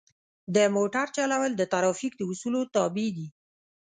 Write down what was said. د موټر چلول د ترافیک د اصولو تابع دي.